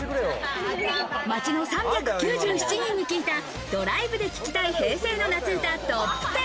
街の３９７人に聞いた、ドライブで聴きたい平成の夏歌トップ１０。